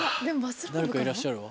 誰かいらっしゃるわ。